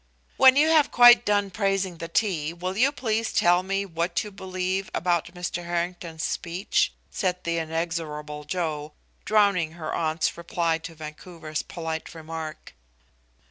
"When you have quite done praising the tea, will you please tell me what you believe about Mr. Harrington's speech?" said the inexorable Joe, drowning her aunt's reply to Vancouver's polite remark.